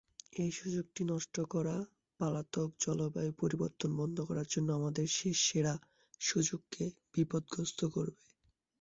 এই সুযোগটি নষ্ট করা পলাতক জলবায়ু পরিবর্তন বন্ধ করার জন্য আমাদের শেষ সেরা সুযোগকে বিপদগ্রস্ত করবে।